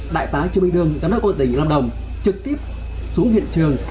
đại tá trương minh đương giám đốc công an tỉnh lâm đồng trực tiếp xuống hiện trường